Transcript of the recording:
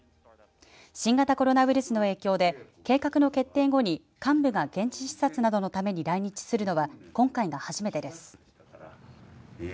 新型コロナウイルスの影響で計画の決定後に幹部が現地視察などのために来日するのは今回が初めてです。